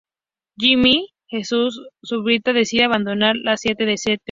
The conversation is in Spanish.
Jimmy: Jesus of Suburbia decide abandonar la identidad de St.